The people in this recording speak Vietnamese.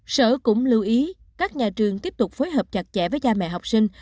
sở cũng lưu ý các nhà trường tiếp tục phối hợp chặt chẽ với cha mẹ học sinh